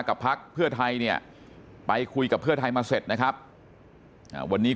พักเพื่อไทยเนี่ยไปคุยกับเพื่อไทยมาเสร็จนะครับวันนี้